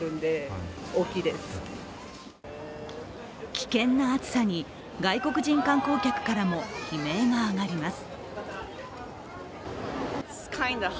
危険な暑さに外国人観光客からも悲鳴が上がります。